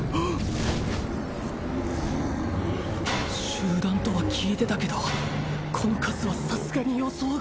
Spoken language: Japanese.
集団とは聞いてたけどこの数はさすがに予想外